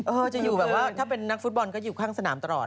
จะอยู่แบบว่าถ้าเป็นนักฟุตบอลก็อยู่ข้างสนามตลอด